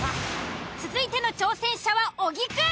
続いての挑戦者は小木くん。